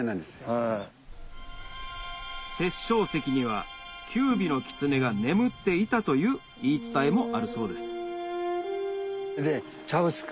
殺生石には九尾の狐が眠っていたという言い伝えもあるそうです